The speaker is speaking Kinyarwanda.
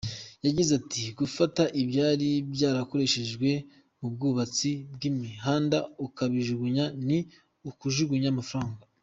Yagize ati “Gufata ibyari byarakoreshejwe mu bwubatsi bw’imihanda ukabijugunya ni ukujugunya amafaranga.